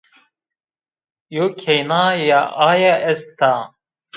Yew kênaya aye est a